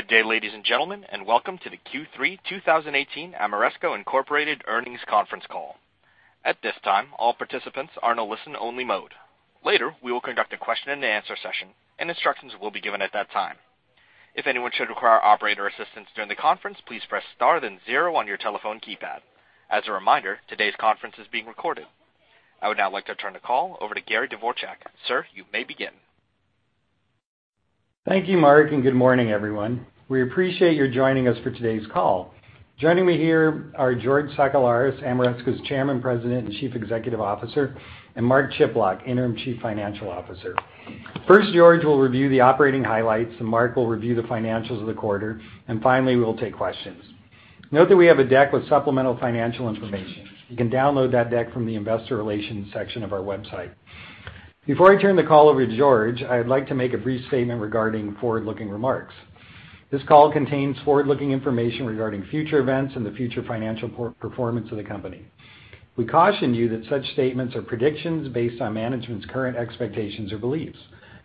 Good day, ladies and gentlemen, and welcome to the Q3 2018 Ameresco Incorporated earnings conference call. At this time, all participants are in a listen-only mode. Later, we will conduct a question-and-answer session, and instructions will be given at that time. If anyone should require operator assistance during the conference, please press star then zero on your telephone keypad. As a reminder, today's conference is being recorded. I would now like to turn the call over to Gary Dvorchak. Sir, you may begin. Thank you, Mark, and good morning, everyone. We appreciate you joining us for today's call. Joining me here are George Sakellaris, Ameresco's Chairman, President, and Chief Executive Officer, and Mark Chiplock, Interim Chief Financial Officer. First, George will review the operating highlights, and Mark will review the financials of the quarter, and finally, we will take questions. Note that we have a deck with supplemental financial information. You can download that deck from the Investor Relations section of our website. Before I turn the call over to George, I'd like to make a brief statement regarding forward-looking remarks. This call contains forward-looking information regarding future events and the future financial performance of the company. We caution you that such statements are predictions based on management's current expectations or beliefs.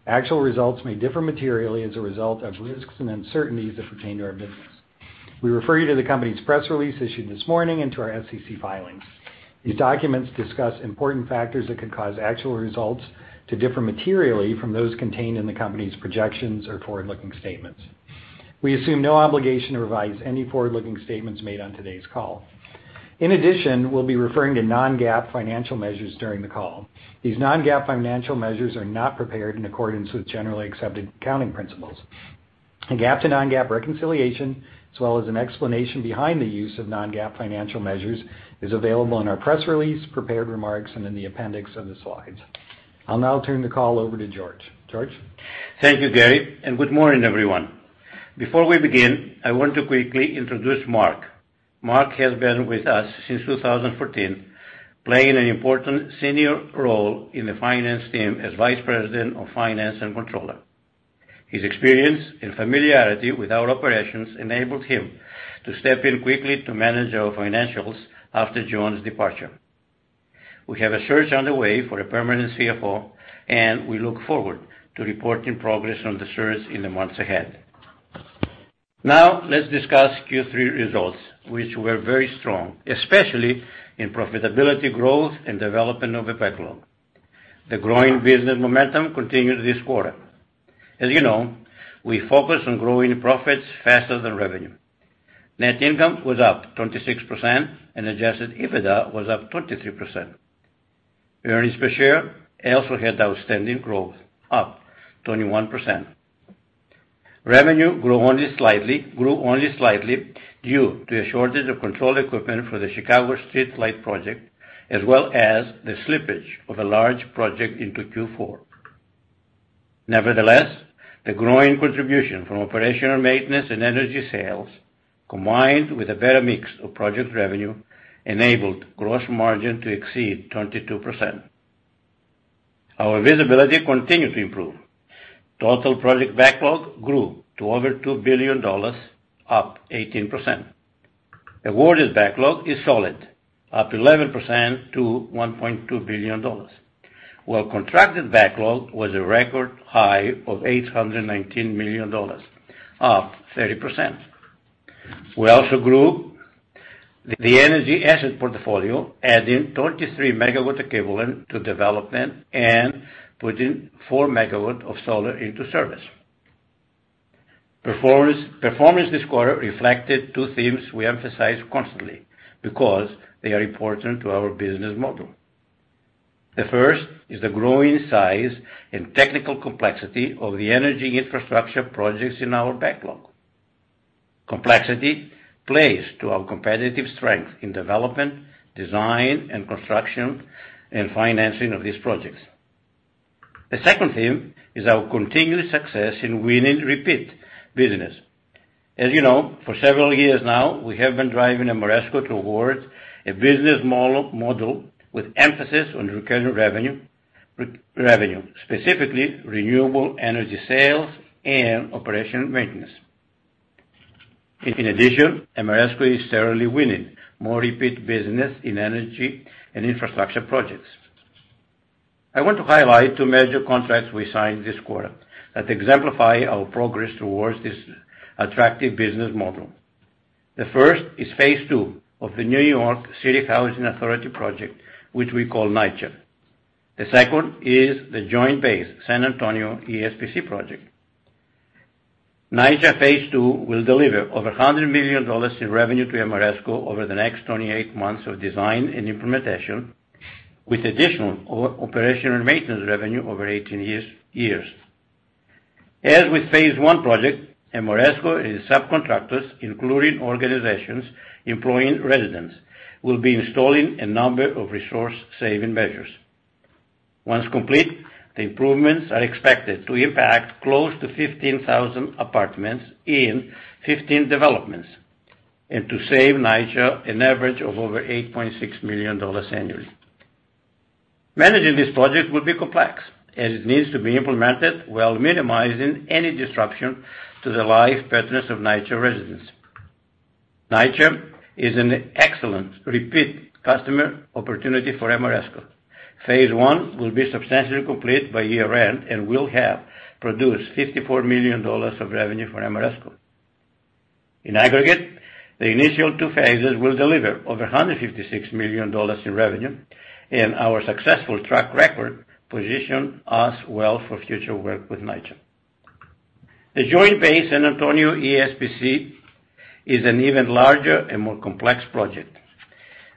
Actual results may differ materially as a result of risks and uncertainties that pertain to our business. We refer you to the company's press release issued this morning and to our SEC filings. These documents discuss important factors that could cause actual results to differ materially from those contained in the company's projections or forward-looking statements. We assume no obligation to revise any forward-looking statements made on today's call. In addition, we'll be referring to non-GAAP financial measures during the call. These non-GAAP financial measures are not prepared in accordance with generally accepted accounting principles. A GAAP to non-GAAP reconciliation, as well as an explanation behind the use of non-GAAP financial measures, is available in our press release, prepared remarks, and in the appendix of the slides. I'll now turn the call over to George. George? Thank you, Gary, and good morning, everyone. Before we begin, I want to quickly introduce Mark. Mark has been with us since 2014, playing an important senior role in the Finance team as Vice President of Finance and Controller. His experience and familiarity with our operations enabled him to step in quickly to manage our financials after John's departure. We have a search underway for a permanent CFO, and we look forward to reporting progress on the search in the months ahead. Now, let's discuss Q3 results, which were very strong, especially in profitability growth and development of the backlog. The growing business momentum continued this quarter. As you know, we focus on growing profits faster than revenue. Net income was up 26%, and adjusted EBITDA was up 23%. Earnings per share also had outstanding growth, up 21%. Revenue grew only slightly, grew only slightly due to a shortage of control equipment for the Chicago streetlight project, as well as the slippage of a large project into Q4. Nevertheless, the growing contribution from operational maintenance and energy sales, combined with a better mix of project revenue, enabled gross margin to exceed 22%. Our visibility continued to improve. Total project backlog grew to over $2 billion, up 18%. Awarded backlog is solid, up 11% to $1.2 billion, while contracted backlog was a record high of $819 million, up 30%. We also grew the energy asset portfolio, adding 33 MW equivalent to development and putting 4 MW of solar into service. Performance this quarter reflected two themes we emphasize constantly because they are important to our business model. The first is the growing size and technical complexity of the energy infrastructure projects in our backlog. Complexity plays to our competitive strength in development, design, and construction, and financing of these projects. The second theme is our continued success in winning repeat business. As you know, for several years now, we have been driving Ameresco towards a business model with emphasis on recurring revenue, specifically renewable energy sales and operations and maintenance. In addition, Ameresco is thoroughly winning more repeat business in energy and infrastructure projects. I want to highlight two major contracts we signed this quarter that exemplify our progress towards this attractive business model. The first is phase two of the New York City Housing Authority project, which we call NYCHA. The second is the Joint Base San Antonio ESPC project. NYCHA phase two will deliver over $100 million in revenue to Ameresco over the next 28 months of design and implementation, with additional operation and maintenance revenue over 18 years. As with phase one project, Ameresco and its subcontractors, including organizations employing residents, will be installing a number of resource-saving measures. Once complete, the improvements are expected to impact close to 15,000 apartments in 15 developments, and to save NYCHA an average of over $8.6 million annually. Managing this project will be complex, as it needs to be implemented while minimizing any disruption to the life patterns of NYCHA residents. NYCHA is an excellent repeat customer opportunity for Ameresco. Phase one will be substantially complete by year-end, and will have produced $54 million of revenue for Ameresco. In aggregate, the initial two phases will deliver over $156 million in revenue, and our successful track record position us well for future work with NYCHA. The Joint Base San Antonio ESPC is an even larger and more complex project.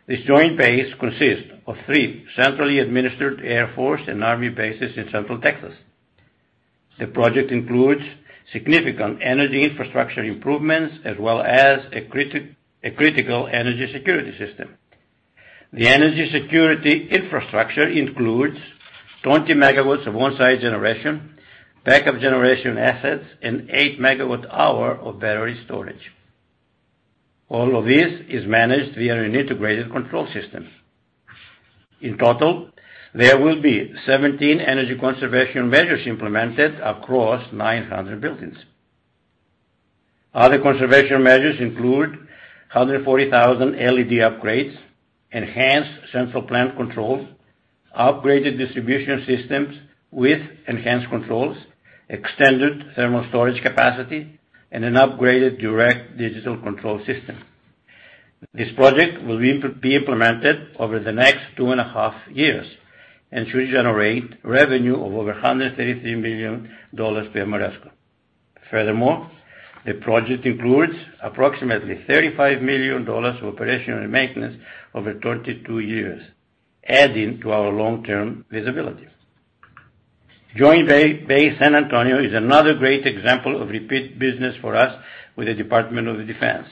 This joint base consists of three centrally administered Air Force and Army bases in Central Texas. The project includes significant energy infrastructure improvements, as well as a critical energy security system. The energy security infrastructure includes 20 MW of on-site generation, backup generation assets, and 8 MWh of battery storage. All of this is managed via an integrated control system. In total, there will be 17 energy conservation measures implemented across 900 buildings. Other conservation measures include 140,000 LED upgrades, enhanced central plant controls, upgraded distribution systems with enhanced controls, extended thermal storage capacity, and an upgraded direct digital control system. This project will be implemented over the next 2.5 years and should generate revenue of over $133 million to Ameresco. Furthermore, the project includes approximately $35 million of operations and maintenance over 32 years, adding to our long-term visibility. Joint Base San Antonio is another great example of repeat business for us with the Department of Defense.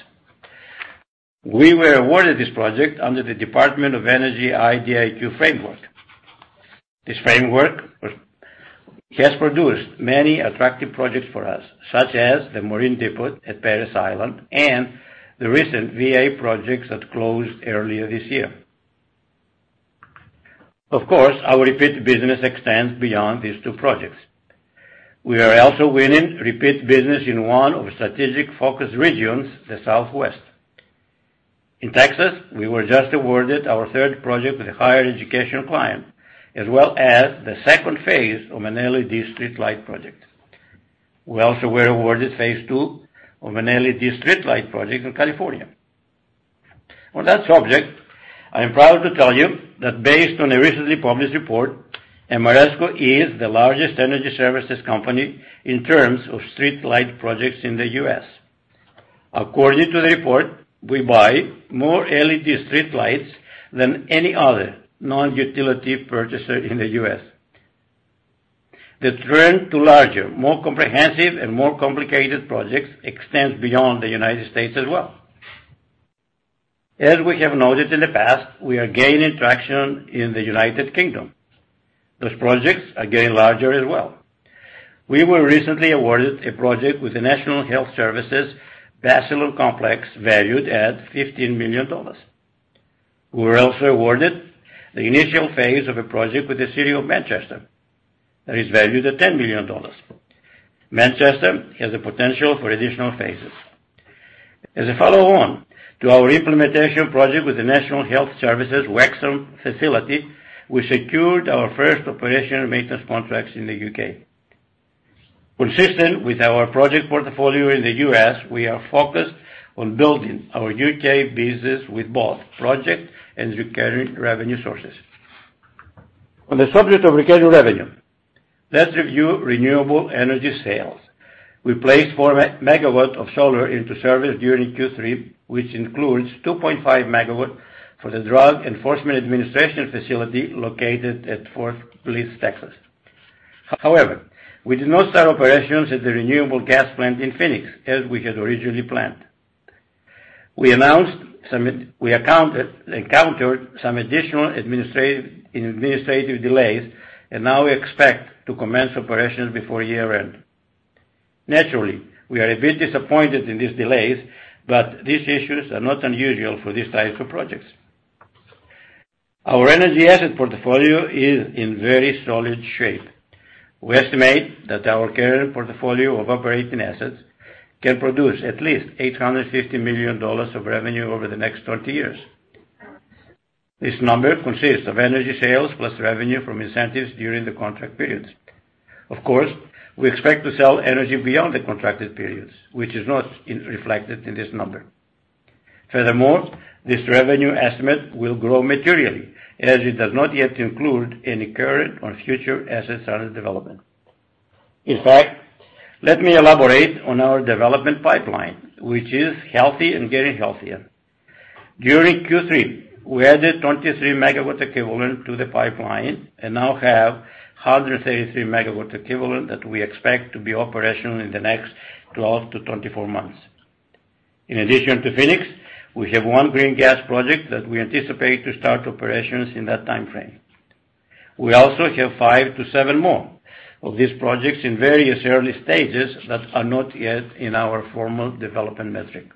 We were awarded this project under the Department of Energy IDIQ framework. This framework has produced many attractive projects for us, such as the Marine Depot at Parris Island and the recent VA projects that closed earlier this year. Of course, our repeat business extends beyond these two projects. We are also winning repeat business in one of strategic focus regions, the Southwest. In Texas, we were just awarded our third project with a higher educational client, as well as the second phase of an LED streetlight project. We also were awarded phase two of an LED streetlight project in California. On that subject, I am proud to tell you that based on a recently published report, Ameresco is the largest energy services company in terms of streetlight projects in the U.S. According to the report, we buy more LED streetlights than any other non-utility purchaser in the U.S. The trend to larger, more comprehensive, and more complicated projects extends beyond the United States as well. As we have noted in the past, we are gaining traction in the United Kingdom. Those projects are getting larger as well. We were recently awarded a project with the National Health Service Basildon complex, valued at $15 million. We were also awarded the initial phase of a project with the City of Manchester, that is valued at $10 million. Manchester has the potential for additional phases. As a follow-on to our implementation project with the National Health Service Wexham facility, we secured our first operation and maintenance contracts in the U.K. Consistent with our project portfolio in the U.S., we are focused on building our U.K. business with both project and recurring revenue sources. On the subject of recurring revenue, let's review renewable energy sales. We placed 4 MW of solar into service during Q3, which includes 2.5 MW for the Drug Enforcement Administration facility located at Fort Bliss, Texas. However, we did not start operations at the renewable gas plant in Phoenix, as we had originally planned. We encountered some additional administrative delays, and now we expect to commence operations before year-end. Naturally, we are a bit disappointed in these delays, but these issues are not unusual for these types of projects. Our energy asset portfolio is in very solid shape. We estimate that our current portfolio of operating assets can produce at least $850 million of revenue over the next 20 years. This number consists of energy sales plus revenue from incentives during the contract periods. Of course, we expect to sell energy beyond the contracted periods, which is not reflected in this number. Furthermore, this revenue estimate will grow materially, as it does not yet include any current or future assets under development. In fact, let me elaborate on our development pipeline, which is healthy and getting healthier. During Q3, we added 23 MW equivalent to the pipeline and now have 133 MW equivalent that we expect to be operational in the next 12 months-24 months. In addition to Phoenix, we have one green gas project that we anticipate to start operations in that time frame. We also have five to seven more of these projects in various early stages that are not yet in our formal development metric.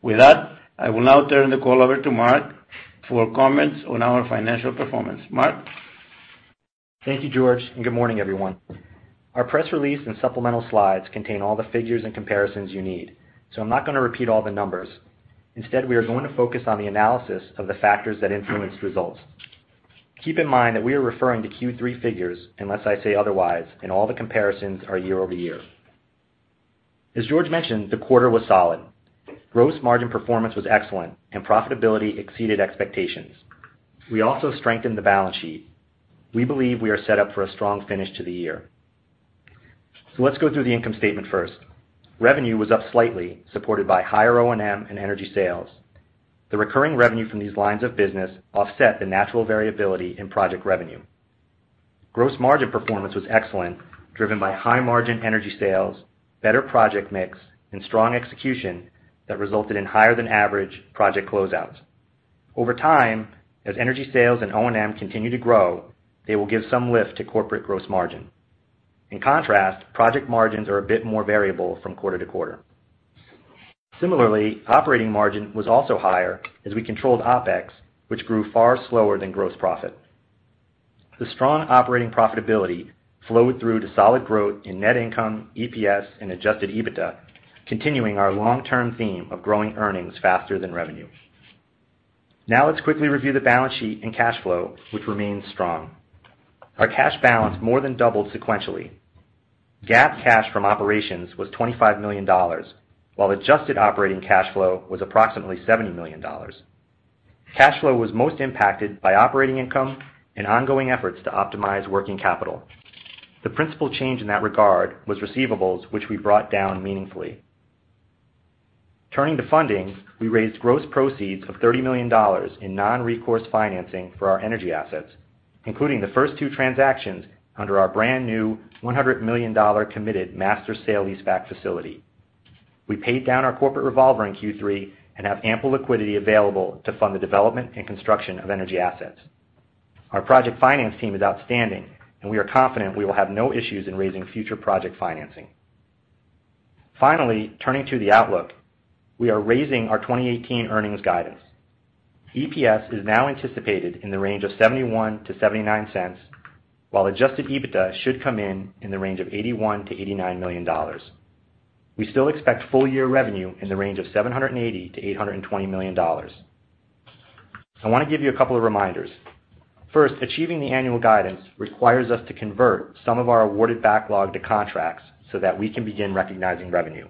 With that, I will now turn the call over to Mark for comments on our financial performance. Mark? Thank you, George, and good morning, everyone. Our press release and supplemental slides contain all the figures and comparisons you need, so I'm not going to repeat all the numbers. Instead, we are going to focus on the analysis of the factors that influenced results. Keep in mind that we are referring to Q3 figures unless I say otherwise, and all the comparisons are year-over-year. As George mentioned, the quarter was solid. Gross margin performance was excellent, and profitability exceeded expectations. We also strengthened the balance sheet. We believe we are set up for a strong finish to the year. So let's go through the income statement first. Revenue was up slightly, supported by higher O&M and energy sales. The recurring revenue from these lines of business offset the natural variability in project revenue. Gross margin performance was excellent, driven by high margin energy sales, better project mix, and strong execution that resulted in higher than average project closeouts. Over time, as energy sales and O&M continue to grow, they will give some lift to corporate gross margin. In contrast, project margins are a bit more variable from quarter to quarter. Similarly, operating margin was also higher as we controlled OpEx, which grew far slower than gross profit. The strong operating profitability flowed through to solid growth in net income, EPS, and adjusted EBITDA, continuing our long-term theme of growing earnings faster than revenue. Now, let's quickly review the balance sheet and cash flow, which remains strong. Our cash balance more than doubled sequentially. GAAP cash from operations was $25 million, while adjusted operating cash flow was approximately $70 million. Cash flow was most impacted by operating income and ongoing efforts to optimize working capital. The principal change in that regard was receivables, which we brought down meaningfully. Turning to funding, we raised gross proceeds of $30 million in non-recourse financing for our energy assets, including the first two transactions under our brand-new $100 million committed master sale leaseback facility. We paid down our corporate revolver in Q3 and have ample liquidity available to fund the development and construction of energy assets. Our project finance team is outstanding, and we are confident we will have no issues in raising future project financing. Finally, turning to the outlook, we are raising our 2018 earnings guidance. EPS is now anticipated in the range of $0.71-$0.79, while adjusted EBITDA should come in in the range of $81 million-$89 million. We still expect full year revenue in the range of $780 million-$820 million. I want to give you a couple of reminders. First, achieving the annual guidance requires us to convert some of our awarded backlog to contracts so that we can begin recognizing revenue.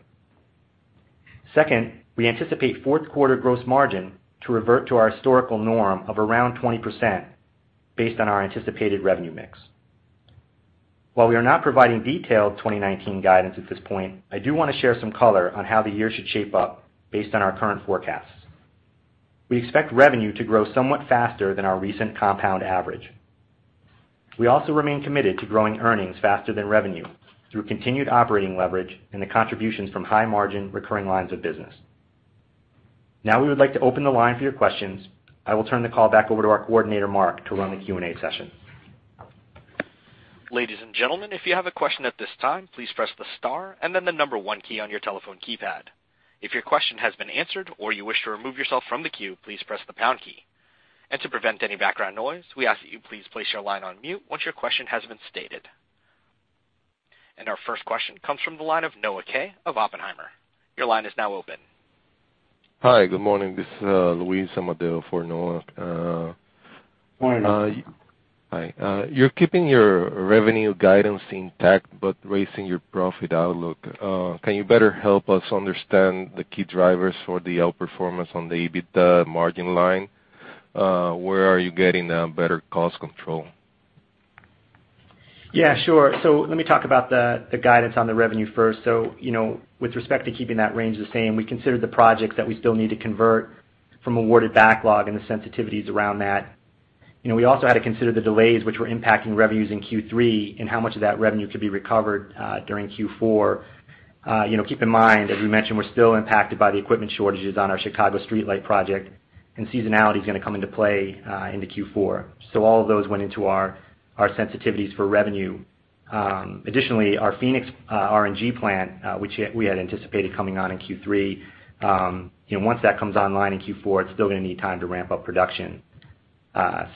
Second, we anticipate fourth quarter gross margin to revert to our historical norm of around 20% based on our anticipated revenue mix. While we are not providing detailed 2019 guidance at this point, I do want to share some color on how the year should shape up based on our current forecasts. We expect revenue to grow somewhat faster than our recent compound average. We also remain committed to growing earnings faster than revenue through continued operating leverage and the contributions from high-margin recurring lines of business. Now we would like to open the line for your questions. I will turn the call back over to our coordinator, Mark, to run the Q&A session. Ladies and gentlemen, if you have a question at this time, please press the star and then the number one key on your telephone keypad. If your question has been answered or you wish to remove yourself from the queue, please press the pound key. To prevent any background noise, we ask that you please place your line on mute once your question has been stated. Our first question comes from the line of Noah Kaye of Oppenheimer. Your line is now open. Hi, good morning. This is Luis Amadeo for Noah. Morning. Hi. You're keeping your revenue guidance intact, but raising your profit outlook. Can you better help us understand the key drivers for the outperformance on the EBITDA margin line? Where are you getting better cost control? Yeah, sure. So let me talk about the guidance on the revenue first. So, you know, with respect to keeping that range the same, we considered the projects that we still need to convert from awarded backlog and the sensitivities around that. You know, we also had to consider the delays which were impacting revenues in Q3 and how much of that revenue could be recovered during Q4. You know, keep in mind, as we mentioned, we're still impacted by the equipment shortages on our Chicago streetlight project, and seasonality is going to come into play into Q4. So all of those went into our sensitivities for revenue. Additionally, our Phoenix RNG plant, which we had anticipated coming on in Q3, you know, once that comes online in Q4, it's still going to need time to ramp up production.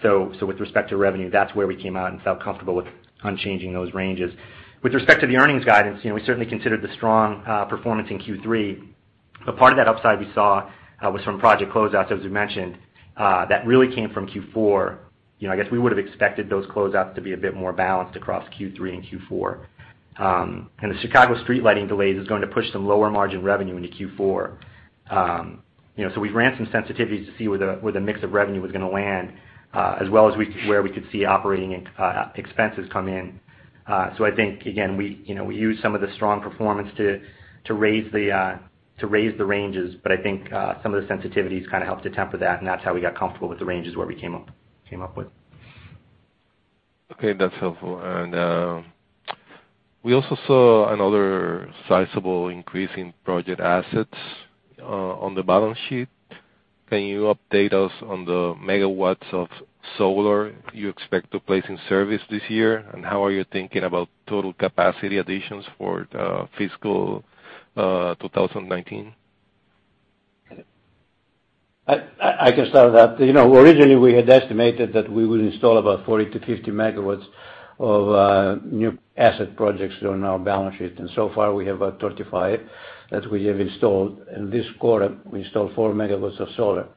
So with respect to revenue, that's where we came out and felt comfortable with not changing those ranges. With respect to the earnings guidance, you know, we certainly considered the strong performance in Q3, but part of that upside we saw was from project closeouts, as we mentioned, that really came from Q4. You know, I guess we would have expected those closeouts to be a bit more balanced across Q3 and Q4. The Chicago street lighting delays is going to push some lower margin revenue into Q4. You know, so we ran some sensitivities to see where the mix of revenue was going to land, as well as where we could see operating expenses come in. So I think, again, we, you know, we use some of the strong performance to raise the ranges, but I think, some of the sensitivities kind of helped to temper that, and that's how we got comfortable with the ranges where we came up with. Okay, that's helpful. We also saw another sizable increase in project assets on the balance sheet. Can you update us on the megawatts of solar you expect to place in service this year? And how are you thinking about total capacity additions for the fiscal 2019? I can start with that. You know, originally, we had estimated that we would install about 40 MW-50 MW of new asset projects on our balance sheet, and so far, we have about 35 that we have installed. In this quarter, we installed 4 MW of solar.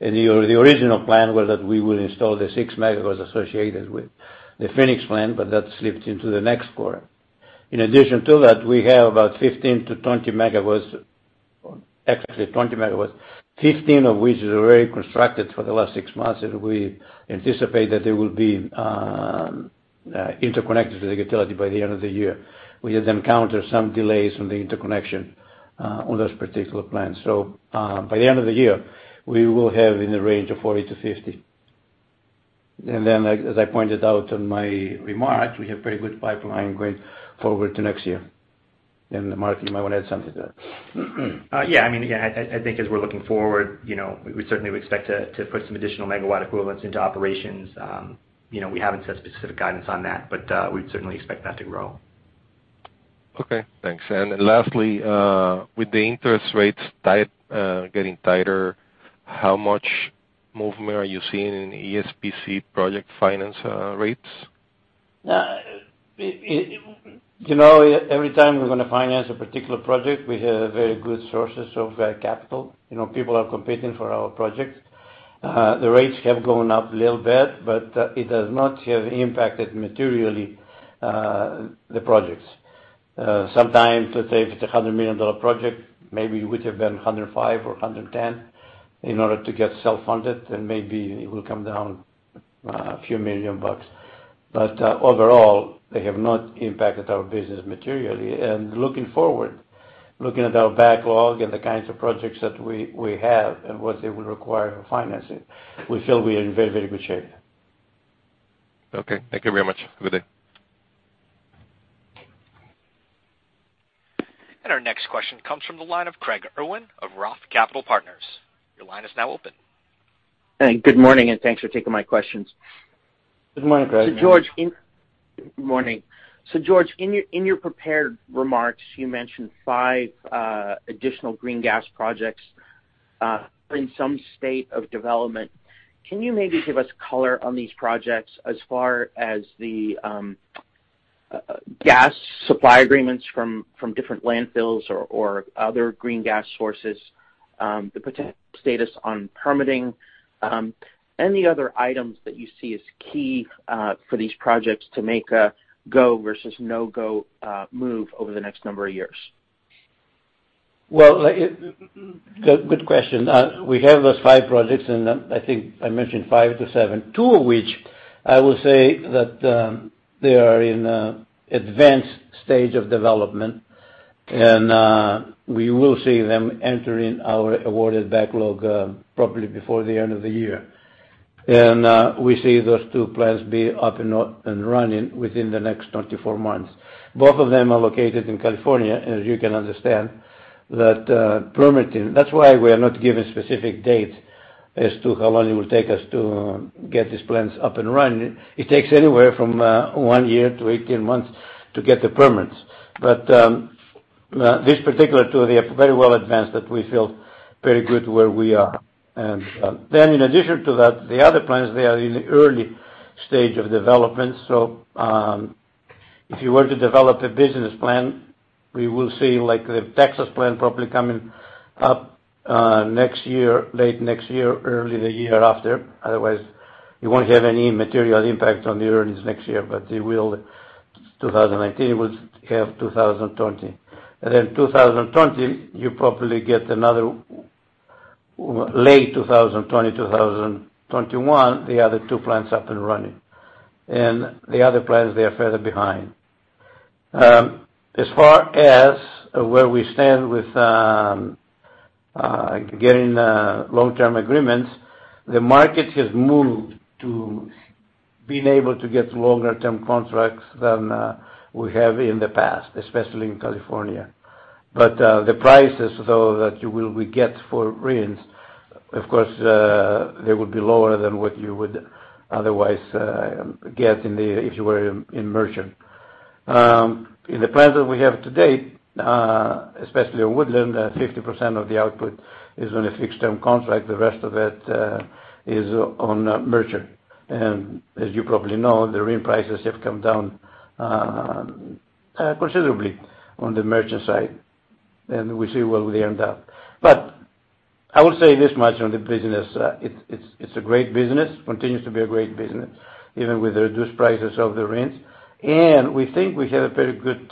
And the original plan was that we would install the 6 MW associated with the Phoenix plan, but that slipped into the next quarter. In addition to that, we have about 15 MW-20 MW, actually 20 MW, 15 MW of which is already constructed for the last six months, and we anticipate that they will be interconnected to the utility by the end of the year. We have encountered some delays on the interconnection on those particular plans. By the end of the year, we will have in the range of 40 MW-50MW. Then, like, as I pointed out in my remarks, we have very good pipeline going forward to next year. Mark, you might want to add something to that. Yeah, I mean, I think as we're looking forward, you know, we certainly would expect to put some additional megawatt equivalents into operations. You know, we haven't set specific guidance on that, but we'd certainly expect that to grow. Okay, thanks. And then lastly, with the interest rates tight, getting tighter, how much movement are you seeing in ESPC project finance rates? You know, every time we're gonna finance a particular project, we have very good sources of capital. You know, people are competing for our projects. The rates have gone up a little bit, but it does not have impacted materially the projects. Sometimes, let's say, if it's a $100 million project, maybe it would have been $105 million or $110 million in order to get self-funded, and maybe it will come down a few million bucks. But overall, they have not impacted our business materially. Looking forward, looking at our backlog and the kinds of projects that we have and what they will require for financing, we feel we are in very, very good shape. Okay, thank you very much. Have a good day. Our next question comes from the line of Craig Irwin of ROTH Capital Partners. Your line is now open. Good morning, and thanks for taking my questions. Good morning, Craig. Good morning, George. In your prepared remarks, you mentioned five additional green gas projects in some state of development. Can you maybe give us color on these projects as far as the gas supply agreements from different landfills or other green gas sources, the potential status on permitting, any other items that you see as key for these projects to make a go versus no-go move over the next number of years? Well, good question. We have those five projects, and I think I mentioned five to seven, two of which I will say that they are in advanced stage of development, and we will see them entering our awarded backlog, probably before the end of the year. And we see those two plants be up and running within the next 24 months. Both of them are located in California, and as you can understand, that permitting. That's why we are not giving specific dates as to how long it will take us to get these plants up and running. It takes anywhere from one year to 18 months to get the permits. But this particular two, they are very well advanced, that we feel very good where we are. Then in addition to that, the other plants, they are in the early stage of development. So, if you were to develop a business plan, we will see, like, the Texas plan probably coming up, next year, late next year, early the year after. Otherwise, you won't have any material impact on the earnings next year, but it will, 2019, will have 2020. And then 2020, you probably get another, late 2020, 2021, the other two plants up and running. And the other plants, they are further behind. As far as where we stand with getting long-term agreements, the market has moved to being able to get longer term contracts than we have in the past, especially in California. But, the prices, though, that you will get for RINs, of course, they would be lower than what you would otherwise, get in the if you were in, in merchant. In the plans that we have to date, especially at Woodland, 50% of the output is on a fixed-term contract. The rest of it is on merchant. And as you probably know, the RIN prices have come down considerably on the merchant side, and we'll see where we end up. But I will say this much on the business, it's, it's, it's a great business, continues to be a great business, even with the reduced prices of the RINs, and we think we have a very good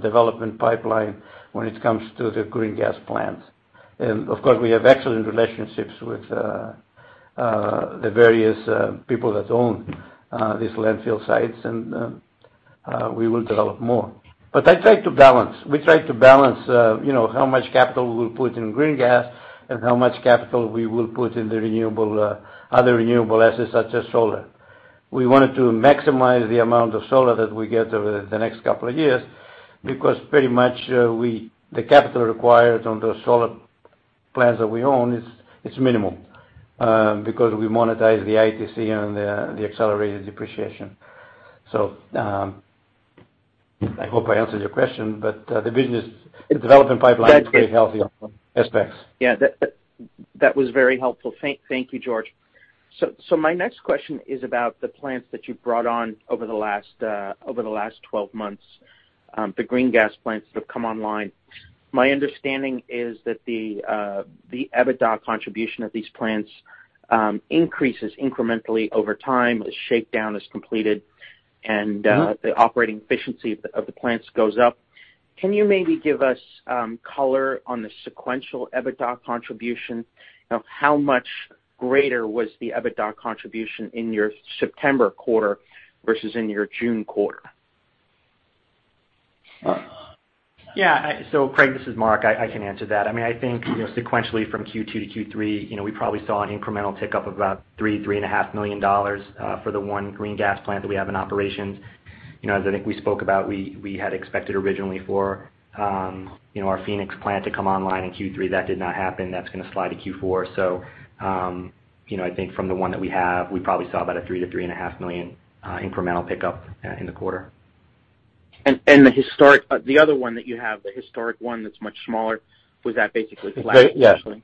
development pipeline when it comes to the green gas plants. Of course, we have excellent relationships with the various people that own these landfill sites, and we will develop more. But I try to balance, we try to balance, you know, how much capital we'll put in green gas and how much capital we will put in the renewable, other renewable assets, such as solar. We wanted to maximize the amount of solar that we get over the next couple of years, because pretty much, the capital required on those solar plants that we own is, it's minimum, because we monetize the ITC and the accelerated depreciation. So, I hope I answered your question, but the business development pipeline is very healthy on ESPCs. Yeah, that was very helpful. Thank you, George. So my next question is about the plants that you brought on over the last 12 months, the green gas plants that have come online. My understanding is that the EBITDA contribution of these plants increases incrementally over time as shakedown is completed, and the operating efficiency of the plants goes up. Can you maybe give us color on the sequential EBITDA contribution? Of how much greater was the EBITDA contribution in your September quarter versus in your June quarter? Yeah. So Craig, this is Mark. I can answer that. I mean, I think, you know, sequentially from Q2 to Q3, you know, we probably saw an incremental tick up of about $3 million-$3.5 million for the one green gas plant that we have in operation. You know, as I think we spoke about, we had expected originally for, you know, our Phoenix plant to come online in Q3. That did not happen. That's gonna slide to Q4. So, you know, I think from the one that we have, we probably saw about a $3 million-$3.5 million incremental pickup in the quarter. And the historic one, the other one that you have, the historic one that's much smaller, was that basically flat essentially?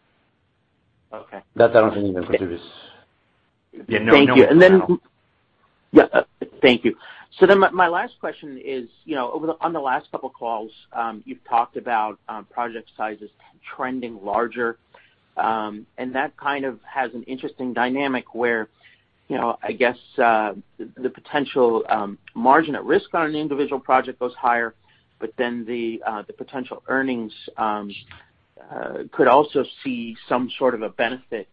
Yeah. Okay. That I don't think even goes to this. Yeah, no. Thank you. Then, yeah, thank you. So then my last question is, you know, on the last couple of calls, you've talked about project sizes trending larger, and that kind of has an interesting dynamic where, you know, I guess, the potential margin at risk on an individual project goes higher, but then the potential earnings could also see some sort of a benefit.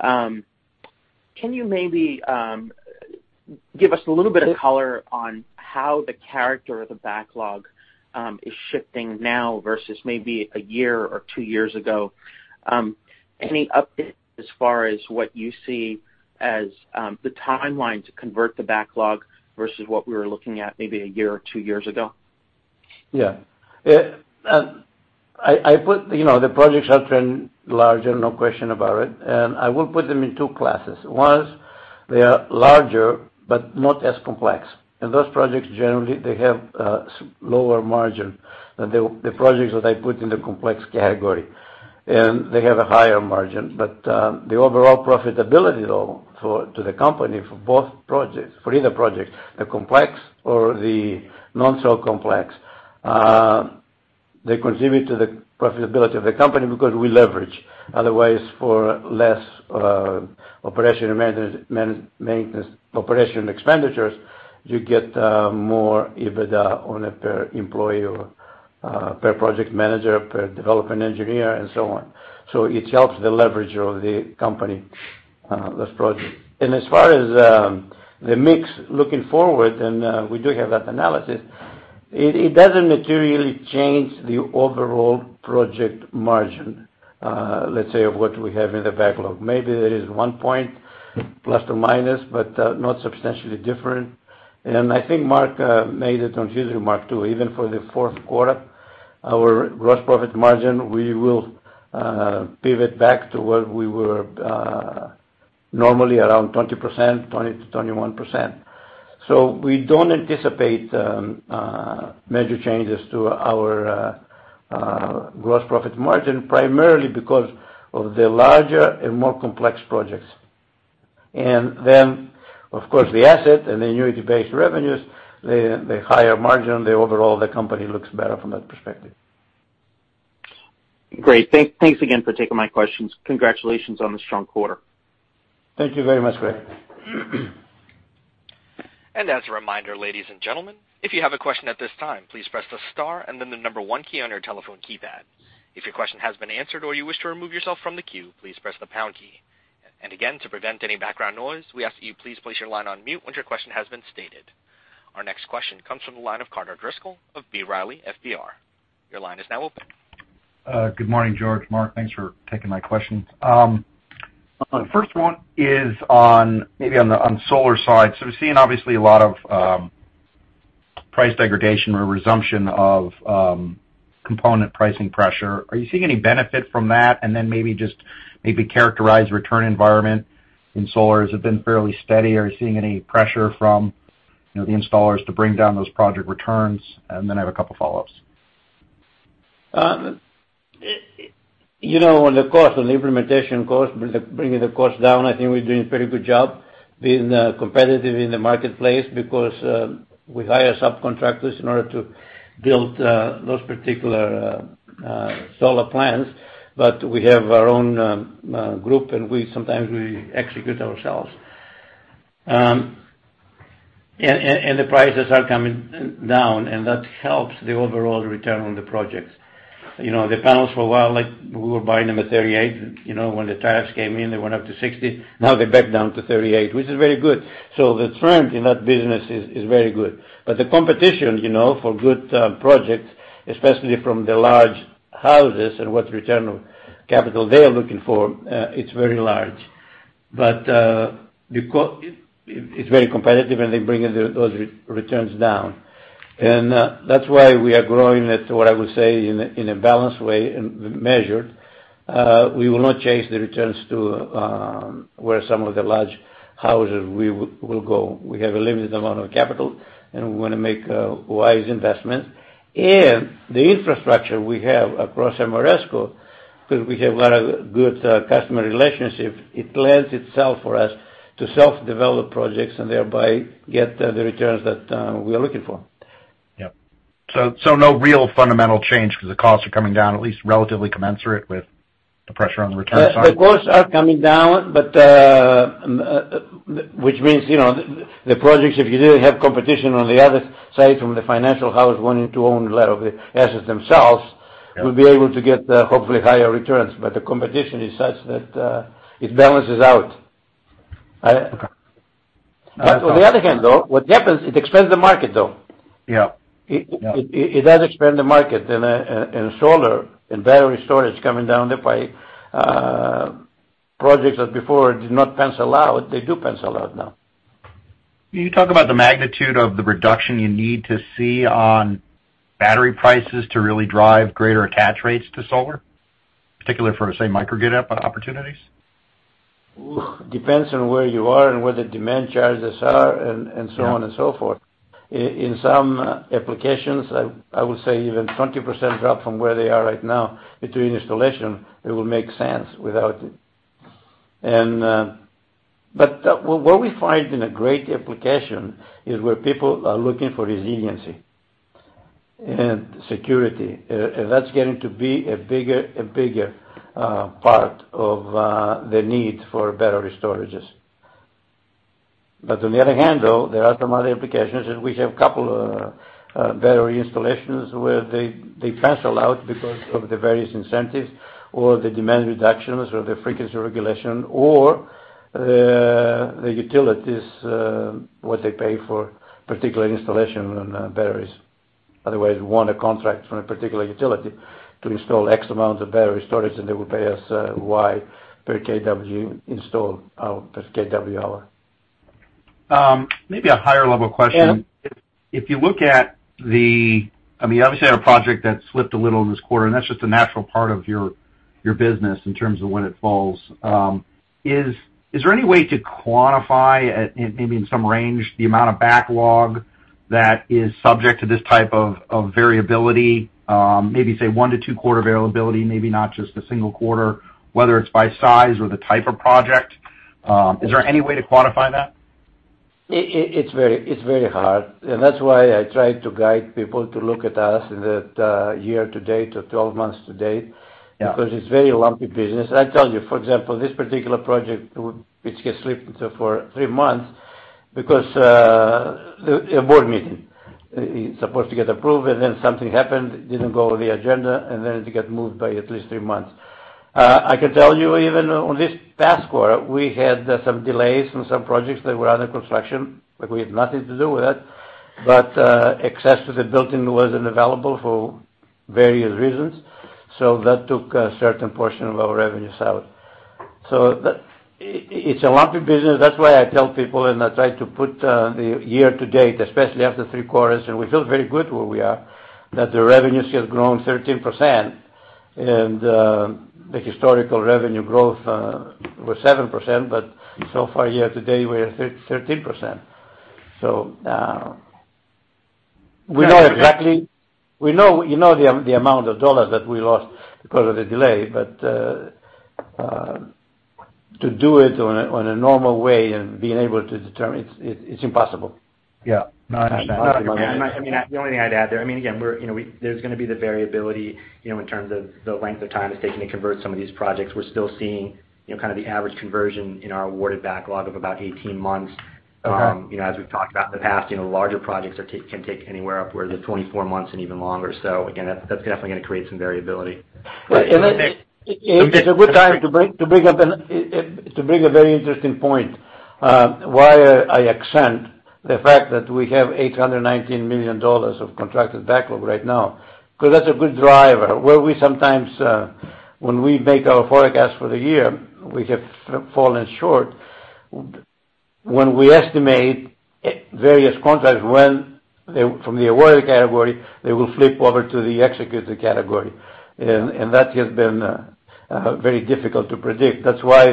Can you maybe give us a little bit of color on how the character of the backlog is shifting now versus maybe a year or two years ago? Any updates as far as what you see as the timeline to convert the backlog versus what we were looking at maybe a year or two years ago? Yeah. I put, you know, the projects have trended larger, no question about it. And I will put them in two classes. One is they are larger, but not as complex. And those projects, generally, they have lower margin than the projects that I put in the complex category, and they have a higher margin. But the overall profitability, though, for the company, for both projects, for either project, the complex or the not so complex, they contribute to the profitability of the company because we leverage. Otherwise, for less operation and maintenance expenditures, you get more EBITDA on a per employee or per project manager, per development engineer, and so on. So it helps the leverage of the company, this project. As far as the mix looking forward, and we do have that analysis, it doesn't materially change the overall project margin, let's say, of what we have in the backlog. Maybe there is 1 point ±, but not substantially different. And I think Mark made a confusing remark, too. Even for the fourth quarter, our gross profit margin, we will pivot back to what we were normally around 20%, 20%-21%. So we don't anticipate major changes to our gross profit margin, primarily because of the larger and more complex projects. And then, of course, the asset and the annuity-based revenues, the higher margin, the overall the company looks better from that perspective. Great. Thanks again for taking my questions. Congratulations on the strong quarter. Thank you very much, Craig. As a reminder, ladies and gentlemen, if you have a question at this time, please press the star and then the number one key on your telephone keypad. If your question has been answered or you wish to remove yourself from the queue, please press the pound key. Again, to prevent any background noise, we ask that you please place your line on mute once your question has been stated. Our next question comes from the line of Carter Driscoll of B. Riley FBR. Your line is now open. Good morning, George, Mark. Thanks for taking my questions. First one is on, maybe on the, on solar side. So we're seeing obviously a lot of, price degradation or resumption of, component pricing pressure. Are you seeing any benefit from that? And then maybe just maybe characterize return environment in solar. Has it been fairly steady, or are you seeing any pressure from, you know, the installers to bring down those project returns? And then I have a couple of follow-ups. You know, on the cost, on the implementation cost, bringing the cost down, I think we're doing a pretty good job being competitive in the marketplace because we hire subcontractors in order to build those particular solar plants, but we have our own group, and we sometimes execute ourselves. The prices are coming down, and that helps the overall return on the projects. You know, the panels for a while, like, we were buying them at $0.38. You know, when the tariffs came in, they went up to $0.60. Now, they're back down to $0.38, which is very good. So the trend in that business is very good. But the competition, you know, for good projects, especially from the large houses and what return of capital they are looking for, it's very large. But, because it, it's very competitive, and they bring the, those returns down. And, that's why we are growing at what I would say in a balanced way and measured. We will not change the returns to where some of the large houses we will go. We have a limited amount of capital, and we want to make wise investments. And the infrastructure we have across Ameresco, because we have a lot of good customer relationships, it lends itself for us to self-develop projects and thereby get the returns that we are looking for. Yep. So no real fundamental change because the costs are coming down, at least relatively commensurate with the pressure on the return side? The costs are coming down, but which means, you know, the projects, if you didn't have competition on the other side from the financial house wanting to own a lot of the assets themselves- You'll be able to get, hopefully, higher returns. But the competition is such that, it balances out. I- Okay. But on the other hand, though, what happens? It expands the market, though. Yeah. Yeah. It does expand the market, and solar and battery storage is coming down thereby, projects that before did not pencil out, they do pencil out now. Can you talk about the magnitude of the reduction you need to see on battery prices to really drive greater attach rates to solar, particularly for, say, microgrid opportunities? Ooh, depends on where you are and what the demand charges are. So on and so forth. In some applications, I would say even 20% drop from where they are right now between installation, it will make sense without it. And, but, what we find in a great application is where people are looking for resiliency and security. And that's getting to be a bigger and bigger, part of, the need for battery storages. But on the other hand, though, there are some other applications, and we have a couple of battery installations where they pencil out because of the various incentives or the demand reductions or the frequency regulation, or the utilities, what they pay for particular installation on, batteries. Otherwise, we want a contract from a particular utility to install X amount of battery storage, and they will pay us, Y per kW installed, per kWh. Maybe a higher-level question. Yeah. If you look at the I mean, obviously, you had a project that slipped a little in this quarter, and that's just a natural part of your business in terms of when it falls. Is there any way to quantify, maybe in some range, the amount of backlog that is subject to this type of variability, maybe say, one- to two-quarter variability, maybe not just a single quarter, whether it's by size or the type of project? Is there any way to quantify that? It's very hard, and that's why I try to guide people to look at us in that year-to-date or twelve months to date- Because it's a very lumpy business. I tell you, for example, this particular project would, which gets slipped into for three months because a board meeting. It's supposed to get approved, and then something happened, didn't go on the agenda, and then it got moved by at least three months. I can tell you, even on this past quarter, we had some delays on some projects that were under construction, but we had nothing to do with that. But access to the building wasn't available for various reasons, so that took a certain portion of our revenues out. So that it's a lumpy business. That's why I tell people, and I try to put the year to date, especially after three quarters, and we feel very good where we are, that the revenues have grown 13%, and the historical revenue growth was 7%, but so far, year to date, we're 13%. So, we know exactly- We know, we know the amount of dollars that we lost because of the delay, but to do it on a normal way and being able to determine, it's impossible. Yeah. No, I understand. I mean, the only thing I'd add there, I mean, again, you know, there's gonna be the variability, you know, in terms of the length of time it's taking to convert some of these projects. We're still seeing, you know, kind of the average conversion in our awarded backlog of about 18 months. You know, as we've talked about in the past, you know, larger projects can take anywhere upwards of 24 months and even longer. So again, that, that's definitely gonna create some variability. Right. And it's a good time to bring up a very interesting point, why I accent the fact that we have $819 million of contracted backlog right now, because that's a good driver. Where we sometimes, when we make our forecast for the year, we have fallen short. When we estimate various contracts, when they from the awarded category, they will flip over to the executed category. And that has been very difficult to predict. That's why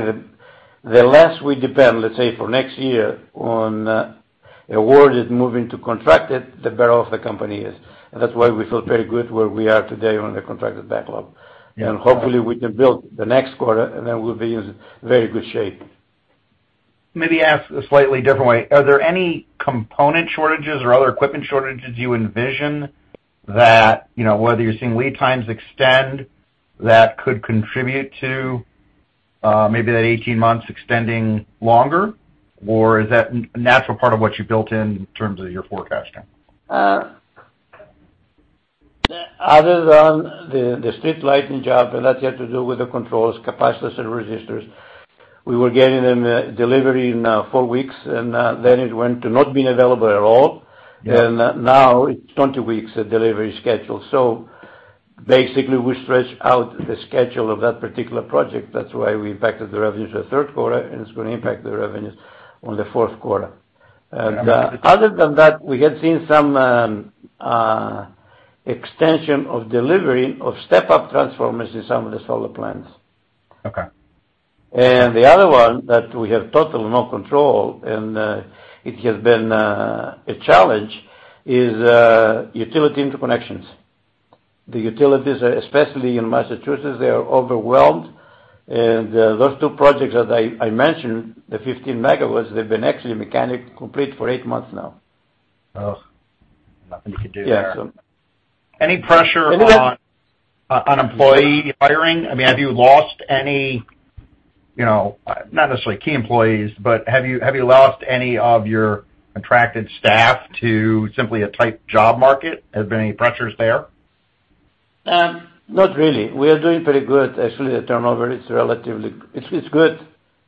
the less we depend, let's say, for next year on awarded moving to contracted, the better off the company is. And that's why we feel very good where we are today on the contracted backlog. Yeah. Hopefully, we can build the next quarter, and then we'll be in very good shape. Maybe ask a slightly different way. Are there any component shortages or other equipment shortages you envision that, you know, whether you're seeing lead times extend, that could contribute to, maybe that 18 months extending longer? Or is that natural part of what you built in, in terms of your forecasting? Other than the street lighting job, and that's yet to do with the controls, capacitors and resistors, we were getting them delivery in four weeks, and then it went to not being available at all. And now it's 20 weeks delivery schedule. So basically, we stretch out the schedule of that particular project. That's why we impacted the revenues for the third quarter, and it's gonna impact the revenues on the fourth quarter. And other than that, we have seen some extension of delivery of step-up transformers in some of the solar plants. Okay. The other one that we have totally no control, and it has been a challenge, is utility interconnections. The utilities, especially in Massachusetts, they are overwhelmed. Those two projects that I mentioned, the 15 MW, they've been actually mechanically complete for eight months now. Oh, nothing you could do there. Yeah, so- Any pressure on employee hiring? I mean, have you lost any, you know, not necessarily key employees, but have you lost any of your attracted staff to simply a tight job market? Have there been any pressures there? Not really. We are doing pretty good. Actually, the turnover is relatively, it's good.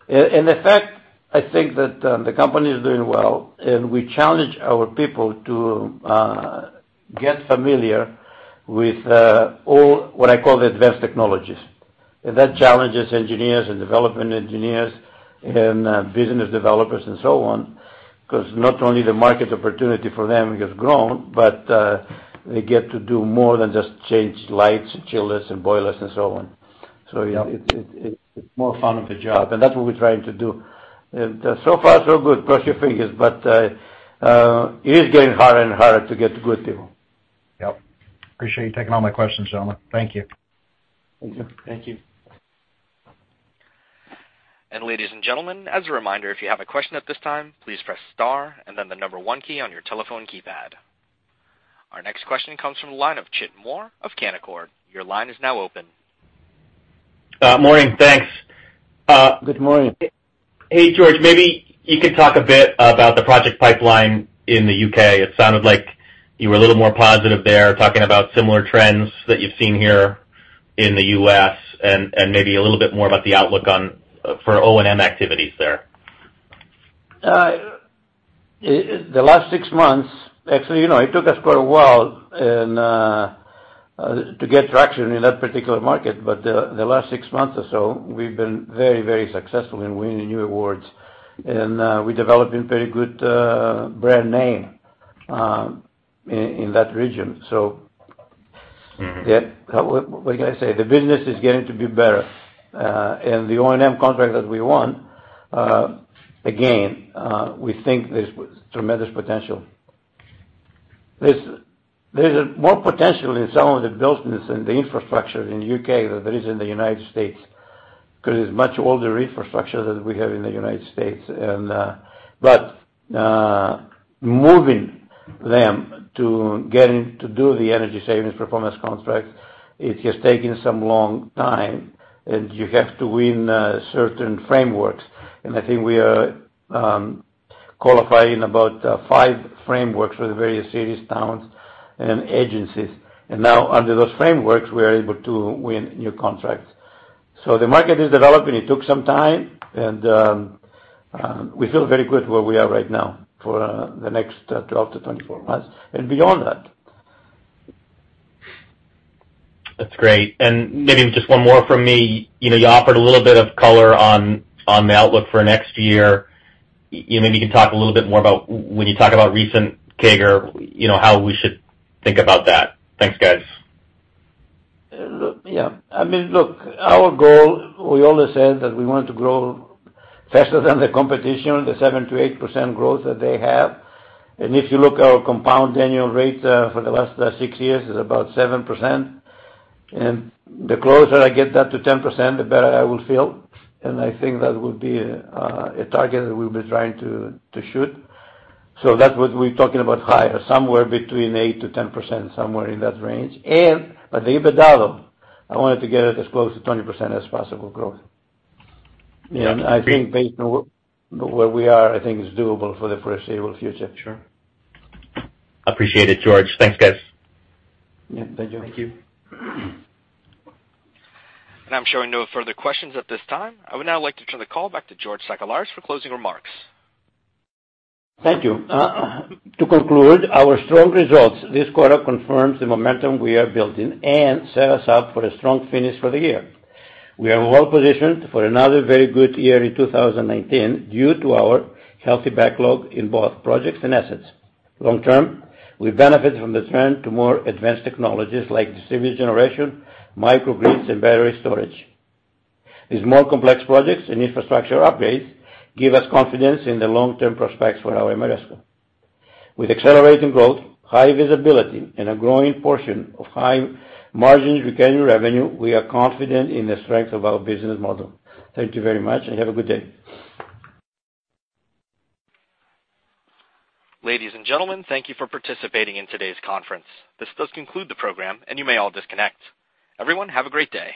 In effect, I think that the company is doing well, and we challenge our people to get familiar with all what I call the advanced technologies. And that challenges engineers and development engineers and business developers and so on, 'cause not only the market opportunity for them has grown, but they get to do more than just change lights, and chillers, and boilers, and so on. So it's more fun of a job, and that's what we're trying to do. So far, so good. Cross your fingers. But it is getting harder and harder to get good people. Yep. Appreciate you taking all my questions, gentlemen. Thank you. Thank you. Ladies and gentlemen, as a reminder, if you have a question at this time, please press star and then the number one key on your telephone keypad. Our next question comes from the line of Chip Moore of Canaccord. Your line is now open. Morning, thanks. Good morning. Hey, George, maybe you could talk a bit about the project pipeline in the U.K. It sounded like you were a little more positive there, talking about similar trends that you've seen here in the U.S., and maybe a little bit more about the outlook on for O&M activities there. Actually, you know, it took us quite a while to get traction in that particular market, but the last six months or so, we've been very, very successful in winning new awards. And we're developing very good brand name in that region. So- Mm-hmm. Yeah, what can I say? The business is getting to be better. And the O&M contract that we won, again, we think there's tremendous potential. There's more potential in some of the buildings and the infrastructure in the U.K. than there is in the United States, 'cause it's much older infrastructure than we have in the United States. But, moving them to getting to do the energy savings performance contract, it has taken some long time, and you have to win certain frameworks. And I think we are qualifying about five frameworks with various cities, towns, and agencies. And now under those frameworks, we're able to win new contracts. So the market is developing. It took some time, and we feel very good where we are right now for the next 12 months-24 months and beyond that. That's great. Maybe just one more from me. You know, you offered a little bit of color on the outlook for next year. You maybe can talk a little bit more about when you talk about recent CAGR, you know, how we should think about that. Thanks, guys. Yeah. I mean, look, our goal, we always said that we wanted to grow faster than the competition, the 7%-8% growth that they have. And if you look at our compound annual rate for the last six years, is about 7%. And the closer I get that to 10%, the better I will feel. And I think that would be a target that we'll be trying to shoot. So that's what we're talking about higher, somewhere between 8%-10%, somewhere in that range. And the EBITDA, I wanted to get it as close to 20% as possible growth. I think based on where we are, I think it's doable for the foreseeable future. Sure. Appreciate it, George. Thanks, guys. Yeah, thank you. I'm showing no further questions at this time. I would now like to turn the call back to George Sakellaris for closing remarks. Thank you. To conclude, our strong results this quarter confirms the momentum we are building and set us up for a strong finish for the year. We are well positioned for another very good year in 2019, due to our healthy backlog in both projects and assets. Long term, we benefit from the trend to more advanced technologies like distributed generation, microgrids, and battery storage. These more complex projects and infrastructure upgrades give us confidence in the long-term prospects for our Ameresco. With accelerating growth, high visibility, and a growing portion of high margins recurring revenue, we are confident in the strength of our business model. Thank you very much, and have a good day. Ladies and gentlemen, thank you for participating in today's conference. This does conclude the program, and you may all disconnect. Everyone, have a great day.